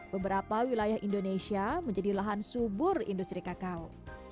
beberapa wilayah indonesia menjadi lahan subur industri kakao